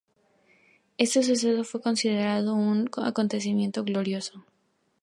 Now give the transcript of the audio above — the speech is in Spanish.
Este suceso fue considerado un acontecimiento glorioso.